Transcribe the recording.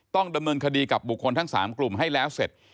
ต้องดำเนินคดีกับบุคคลทั้ง๓กลุ่มให้แล้วเสร็จ